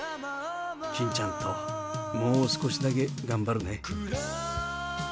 キンちゃんともう少しだけ頑張るね。